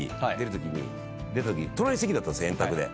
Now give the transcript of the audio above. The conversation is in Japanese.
隣の席だったんです円卓で。